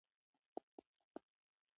ده وویل چې روژه د روحاني ځواک لامل دی.